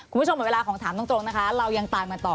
คุณผู้ชมเวลาของถามตรงนะคะเรายังตามันต่อ